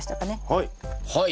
はい。